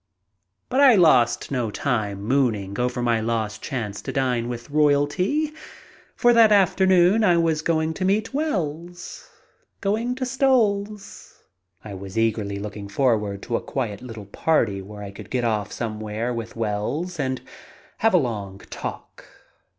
But I lost no time mooning over my lost chance to dine with royalty, for that afternoon I was going to rneet Wells. Going to Stoll's, I was eagerly looking forward to a quiet little party where I could get off somewhere with Wells and have a long talk.